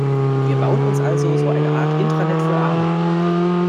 Wir bauen uns also so eine Art Intranet für Arme.